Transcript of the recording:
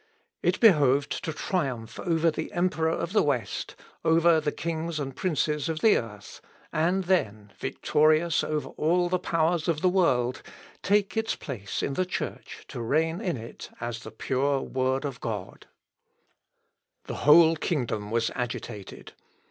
It behoved to triumph over the emperor of the West, over the kings and princes of the earth, and then, victorious over all the powers of the world, take its place in the Church to reign in it as the pure Word of God. [Sidenote: THE DIET OF WORMS.] The whole kingdom was agitated.